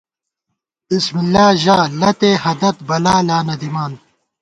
بِسم اللہ ژا لتےہَدَت بلا لا نہ دِمان